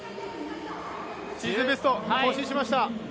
シーズンベスト更新しました。